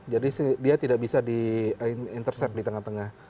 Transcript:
jadi dia tidak bisa di intercept di tengah tengah